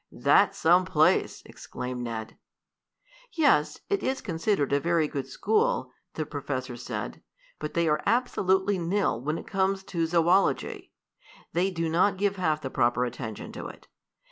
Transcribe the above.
"That's some place!" exclaimed Ned. "Yes, it is considered a very good school," the professor said, "but they are absolutely nil when it comes to zoology. They do not give half the proper attention to it.